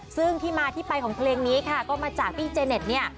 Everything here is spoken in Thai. ซึ่งที่มาที่ไปของเพลงนี้ค่ะก็มาจากพี่เจเน็ตเนี่ย